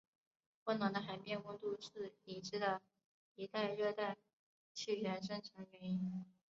温暖的海面温度是已知的一类热带气旋生成原因。